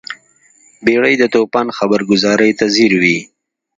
بیړۍ د توپان خبرګذارۍ ته ځیر وي.